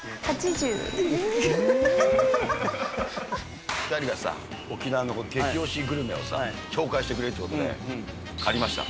２人がさ、沖縄の激推しグルメをさ、紹介してくれるということで、借りました。